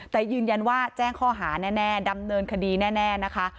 แต่ยืนยันว่าแจ้งข้อหาแน่ดำเนินคดีแน่นะคะ